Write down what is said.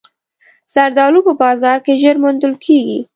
زردالو په بازار کې ژر موندل کېږي.